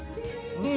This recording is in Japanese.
うん。